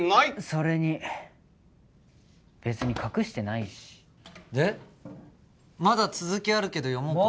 それに別に隠してないしでまだ続きあるけど読もうか？